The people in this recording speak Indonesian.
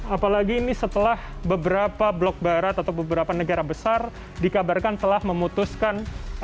apalagi ini setelah beberapa blok barat atau beberapa negara besar dikabarkan telah memutuskan